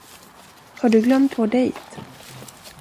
Har du glömt vår dejt?